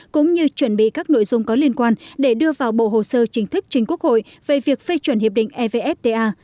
cũng như chuẩn bị các nội dung có liên quan để đưa vào bộ hồ sơ chính thức trình quốc hội về việc phê chuẩn hiệp định evfta